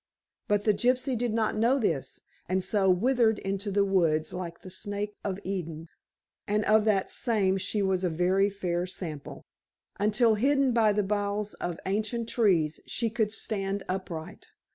But the gypsy did not know this, and so writhed into the woods like the snake of Eden and of that same she was a very fair sample until, hidden by the boles of ancient trees, she could stand upright.